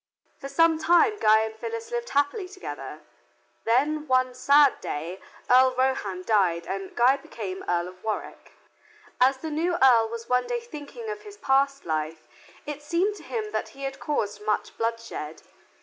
For some time Guy and Phyllis lived happily together. Then one sad day Earl Rohand died and Guy became Earl of Warwick. As the new earl was one day thinking of his past life, it seemed to him that he had caused much bloodshed.